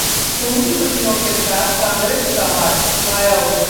पूंजीपतियों के साथ, कांग्रेस का हाथ: मायावती